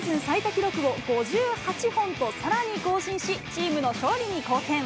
記録を５８本とさらに更新し、チームの勝利に貢献。